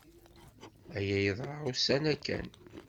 Aya yeḍra ussan-a kan.